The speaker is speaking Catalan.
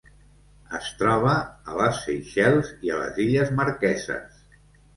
Es troba a les Seychelles i a les Illes Marqueses.